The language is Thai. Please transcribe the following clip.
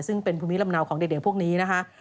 ซึ่งเป็นภูมิลำเนาของเด็กพวกนี้นะคะ